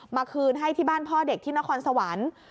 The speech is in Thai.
คืนให้ที่บ้านพ่อเด็กที่นครสวรรค์